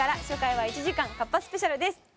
初回は１時間カッパスペシャルです。